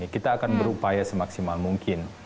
kita akan berupaya semaksimal mungkin